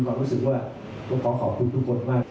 ผมก็คิดว่าต้องขอบคุณทุกคนมาก